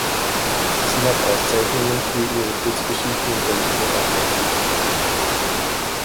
Sie hat Auszeichnungen für ihre Kurzgeschichten und Romane erhalten.